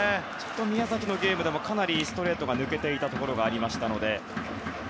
宮崎のゲームでもかなりストレートが抜けていたところがあったので。